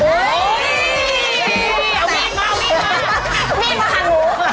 ไปนิดหนึ่ง